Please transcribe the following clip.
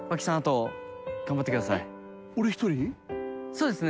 そうですね。